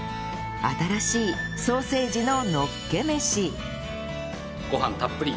新しいソーセージののっけ飯